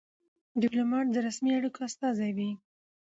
ډيپلومات د رسمي اړیکو استازی وي.